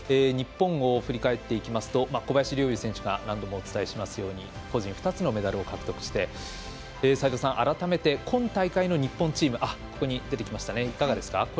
日本を振り返っていきますと小林陵侑選手が何度もお伝えしていますように個人２つのメダルを獲得して齋藤さん、改めて今大会の日本チームいかがですか？